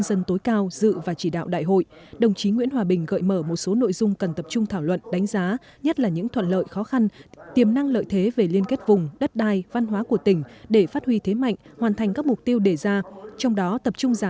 đại hội tập trung nghiêm túc thảo luận phân tích một số tồn tại hạn chế trong thời gian tới